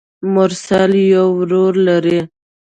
مرسل يو ورور لري.